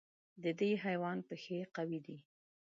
د دې حیوان پښې قوي دي.